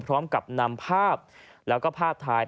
พร้อมกับนำภาพแล้วก็ภาพถ่าย